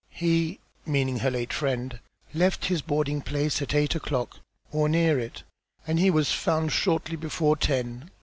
"He," meaning her late friend, "left his boarding place at eight o'clock, or near it, and he was found shortly before ten."